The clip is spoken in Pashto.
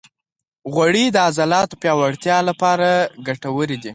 غوړې د عضلاتو پیاوړتیا لپاره ګټورې دي.